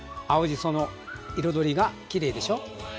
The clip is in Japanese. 青じその彩りがきれいでしょ。